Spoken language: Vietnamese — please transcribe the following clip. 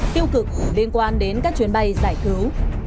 tiêu cực liên quan đến các chuyến bay giải cứu